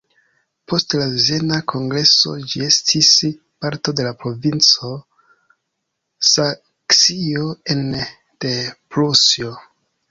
Post la Viena kongreso ĝi estis parto de la Provinco Saksio ene de Prusio.